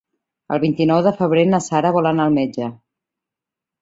El vint-i-nou de febrer na Sara vol anar al metge.